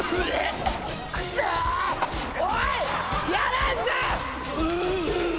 おい！